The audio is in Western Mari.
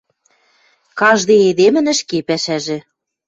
— Каждый эдемӹн ӹшке пӓшӓжӹ.